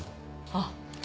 あっ。